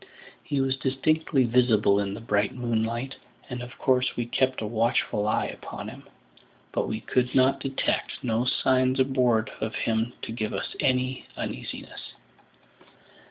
He was distinctly visible in the bright moonlight, and of course we kept a watchful eye upon him; but we could detect no signs aboard of him to give us any uneasiness.